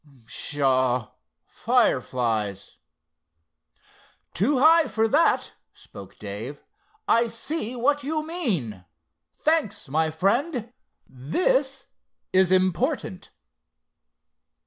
Pshaw!—fireflies." "Too high for that," spoke Dave, "I see what you mean. Thanks my friend, this is important!"